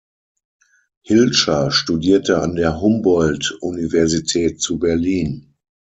Hilscher studierte an der Humboldt-Universität zu Berlin.